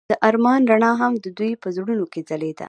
د آرمان رڼا هم د دوی په زړونو کې ځلېده.